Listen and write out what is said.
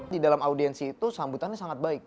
di dalam audiensi itu sambutannya sangat baik